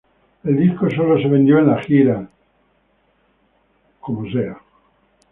El disco sólo se vendió en la gira "Es wird eng".